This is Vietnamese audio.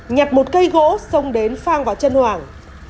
nhặt một cây gỗ xông đến phang vào chân hoàng